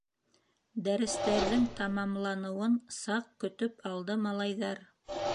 Дәрестәрҙең тамамланыуын саҡ көтөп алды малайҙар.